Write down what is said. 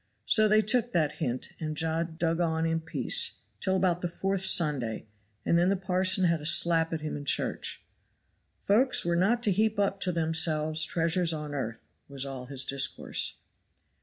So they took that hint, and John dug on in peace till about the fourth Sunday and then the parson had a slap at him in church. 'Folks were not to heap up to themselves treasures on earth,' was all his discourse."